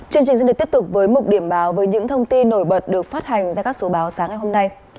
chương trình xin được tiếp tục với mục điểm báo với những thông tin nổi bật được phát hành ra các số báo sáng ngày hôm nay